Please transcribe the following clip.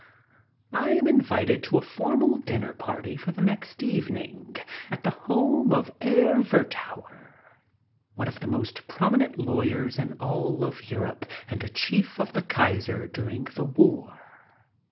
I am invited to a formal dinner party for the next evening at the home of Herr'Werthauer, one of the most prominent lawyers in all Europe and a chief of the Kaiser during the war.